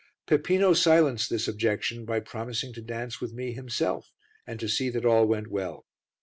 Peppino silenced this objection by promising to dance with me himself, and to see that all went well.